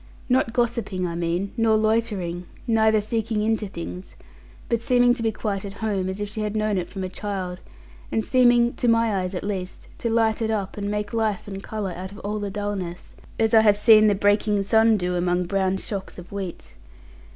Not gossiping, I mean, nor loitering, neither seeking into things, but seeming to be quite at home, as if she had known it from a child, and seeming (to my eyes at least) to light it up, and make life and colour out of all the dullness; as I have seen the breaking sun do among brown shocks of wheat.